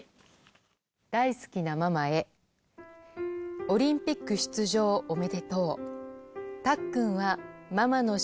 「大すきなママへオリンピック出じょうおめでとう」。